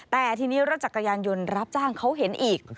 แต่ทีนี้รถจักรยานยนต์รับจ้างเขาเห็นอีก